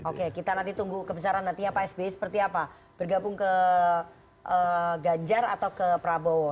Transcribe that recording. oke kita nanti tunggu kebesaran nantinya pak sby seperti apa bergabung ke ganjar atau ke prabowo